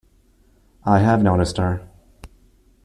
I have noticed her.